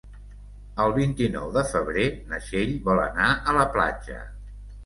El vint-i-nou de febrer na Txell vol anar a la platja.